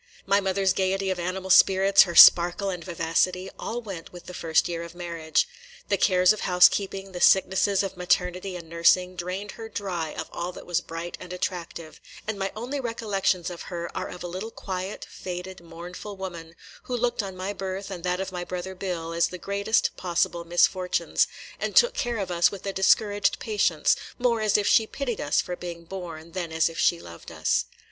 My mother's gayety of animal spirits, her sparkle and vivacity, all went with the first year of marriage. The cares of house keeping, the sicknesses of maternity and nursing, drained her dry of all that was bright and attractive; and my only recollections of her are of a little quiet, faded, mournful woman, who looked on my birth and that of my brother Bill as the greatest possible misfortunes, and took care of us with a discouraged patience, more as if she pitied us for being born than as if she loved us.